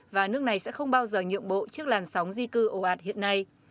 và nước này sẽ không bao giờ nhượng bộ trước làn sóng di cư ồ ạt hiện nay